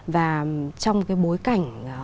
và trong cái bối cảnh